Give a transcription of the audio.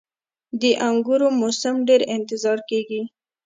• د انګورو موسم ډیر انتظار کیږي.